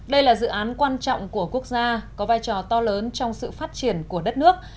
dự án quan trọng của quốc gia có vai trò to lớn trong sự phát triển của đất nước